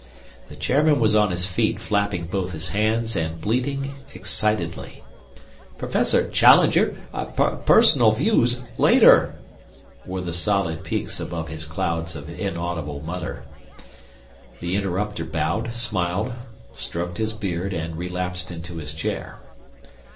The chairman was on his feet flapping both his hands and bleating excitedly. "Professor Challenger personal views later," were the solid peaks above his clouds of inaudible mutter. The interrupter bowed, smiled, stroked his beard, and relapsed into his chair.